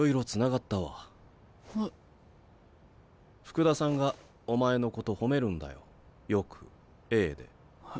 福田さんがお前のこと褒めるんだよよくＡで。え？